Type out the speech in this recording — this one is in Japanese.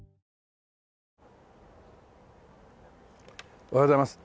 おはようございます。